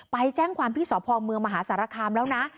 ไปแจ้งความที่สพเมืองมหาสารคามแล้วนะ